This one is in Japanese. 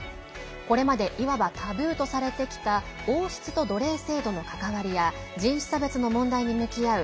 これまでいわばタブーとされてきた王室と奴隷制度の関わりや人種差別の問題に向き合う